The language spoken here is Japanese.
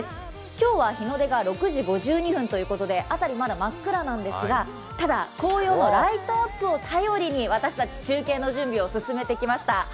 今日は、日の出が６時５２分ということで辺り、まだ真っ暗なんですが紅葉のライトアップを頼りに私たち中継の準備を進めてきました。